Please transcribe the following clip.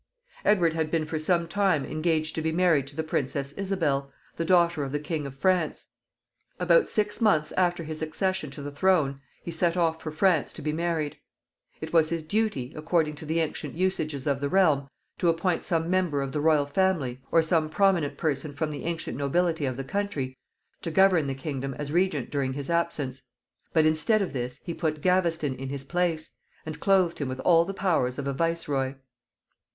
Edward had been for some time engaged to be married to the Princess Isabel, the daughter of the King of France. About six months after his accession to the throne he set off for France to be married. It was his duty, according to the ancient usages of the realm, to appoint some member of the royal family, or some prominent person from the ancient nobility of the country, to govern the kingdom as regent during his absence; but instead of this he put Gaveston in this place, and clothed him with all the powers of a viceroy.